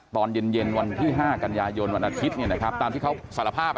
ตอนเย็นวันที่๕กันยายนวันอาทิตย์ตามที่เขาสารภาพ